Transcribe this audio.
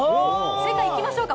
正解行きましょうか。